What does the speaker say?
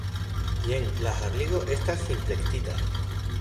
Jen, la harligo estas finplektita!